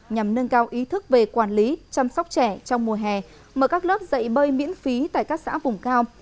nhằm nâng cao ý thức về quản lý chăm sóc trẻ trong mùa hè mở các lớp dạy bơi miễn phí tại các xã vùng cao